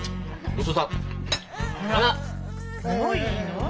もういいの？